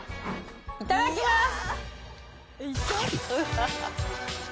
いただきます！